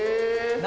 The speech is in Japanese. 何？